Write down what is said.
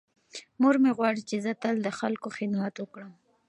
مور مې غواړي چې زه تل د خلکو خدمت وکړم.